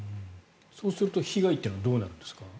そうすると被害はどうなるんですか。